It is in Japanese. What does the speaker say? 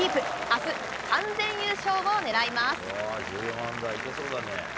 あす、完全優勝を狙います。